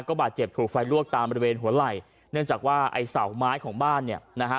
บาดเจ็บถูกไฟลวกตามบริเวณหัวไหล่เนื่องจากว่าไอ้เสาไม้ของบ้านเนี่ยนะฮะ